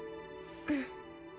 うん。